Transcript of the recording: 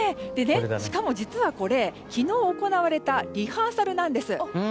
しかも実はこれ、昨日行われたリハーサルなんです。